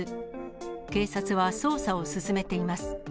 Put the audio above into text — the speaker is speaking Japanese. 警察は捜査を進めています。